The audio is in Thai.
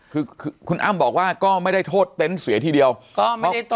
คือคือคุณอ้ำบอกว่าก็ไม่ได้โทษเต้นเสียทีเดียวก็ไม่ได้ต้น